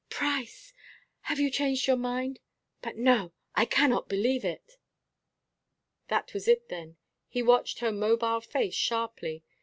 Price! Have you changed your mind but no! I cannot believe it." That was it then! He watched her mobile face sharply.